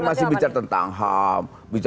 masih bicara tentang ham